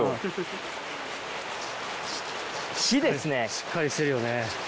しっかりしてるよね。